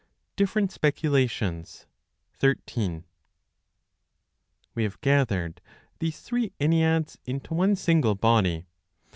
Different Speculations, 13. We have gathered these three Enneads into one single body.